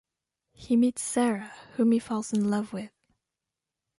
He meets Sarah, whom he falls in love with.